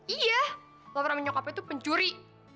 iya laura sama nyokapnya tuh pencuri